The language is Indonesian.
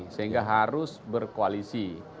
sehingga harus berkoalisi